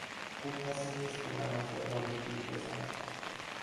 او کسی نیست که منافع را به جیب بزند.